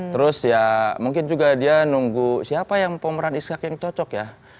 terus ya mungkin juga dia nunggu siapa yang pemeran ishak yang cocok ya